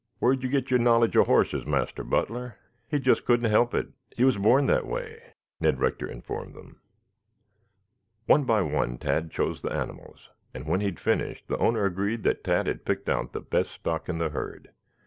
"Where did you get your knowledge of horses, Master Butler?" "He just couldn't help it. He was born that way," Ned Rector informed them. One by one Tad chose the animals, and when he had finished the owner agreed that Tad had picked out the best stock in the herd.